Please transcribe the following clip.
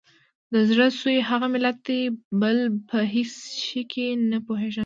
د زړه سوي هغه ملت دی بل په هیڅ چي نه پوهیږي